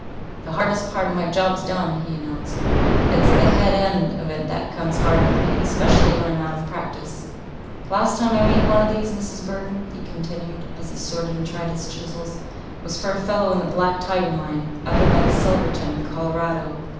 "The hardest part of my job's done," he announced. "It's the head end of it that comes hard with me, especially when I'm out of practice. The last time I made one of these, Mrs. Burden," he continued, as he sorted and tried his chisels, "was for a fellow in the Black Tiger mine, up above Silverton, Colorado.